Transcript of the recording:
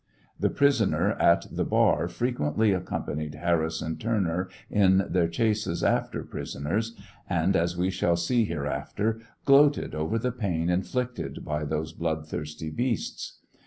The prisoner at the bar frequently accompanied Harris and Turner TRIAL OP HENEY WIEZ. 773 in tbeir chases after prisoners, and, as we shall see hereafter, gloated ovev the pain inflicted by those bloodthiisty beasts.